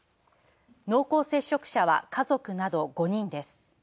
濃厚接触者は家族など５人です。